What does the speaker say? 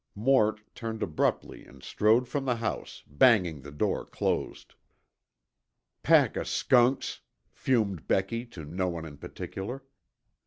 Mort turned abruptly and strode from the house, banging the door closed. "Pack of skunks," fumed Becky to no one in particular.